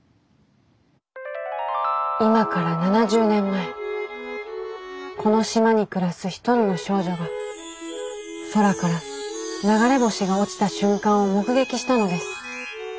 今から７０年前この島に暮らす１人の少女が空から流れ星が落ちた瞬間を目撃したのです。